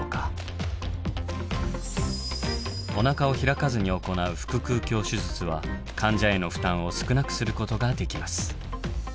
おなかを開かずに行う腹腔鏡手術は患者への負担を少なくすることができます。